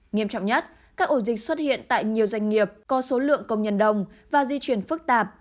nghiêm trọng nhất các ổ dịch xuất hiện tại nhiều doanh nghiệp có số lượng công nhân đồng và di chuyển phức tạp